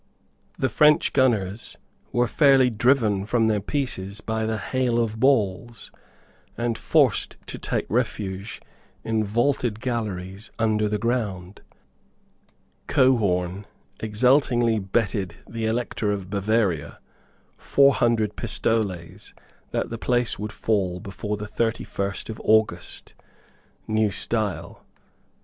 The French gunners were fairly driven from their pieces by the hail of balls, and forced to take refuge in vaulted galleries under the ground. Cohorn exultingly betted the Elector of Bavaria four hundred pistoles that the place would fall by the thirty first of August, New Style.